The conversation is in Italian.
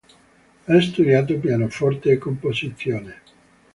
Ha studiato pianoforte e composizione.